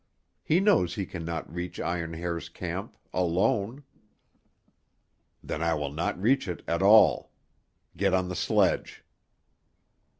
He knows he can not reach Iron Hair's camp—alone." "Then I will not reach it at all. Get on the sledge."